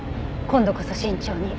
今度こそ慎重に」